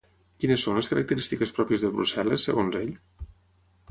Quines són les característiques pròpies de Brussel·les, segons ell?